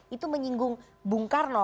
itu menyinggung bung karno